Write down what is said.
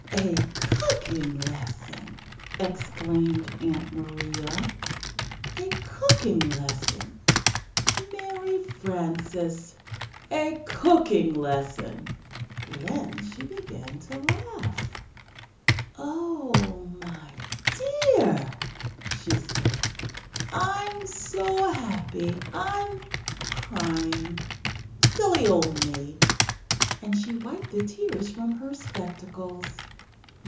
"] "A cooking lesson!" exclaimed Aunt Maria. "A cooking lesson! Mary Frances! A cooking lesson!" Then she began to laugh. [Illustration: Then she began to laugh.] "Oh, my dear!" she said. "I'm so happy I'm crying. Silly old me!" and she wiped the tears from her spectacles.